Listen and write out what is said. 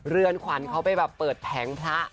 เรือนขวัญเขาไปแบบเปิดแผงพระ